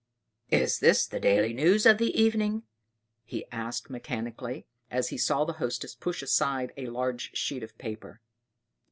"Is this the Daily News of this evening?" he asked mechanically, as he saw the Hostess push aside a large sheet of paper.